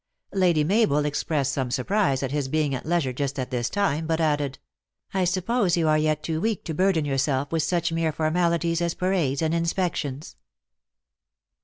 Lady Mabel expressed some surprise at his being at leisure just at this time, but added : "I suppose you are yet too weak to burden yourself with such mere formalities as parades and inspections."